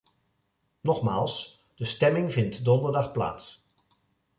Nogmaals: de stemming vindt donderdag plaats.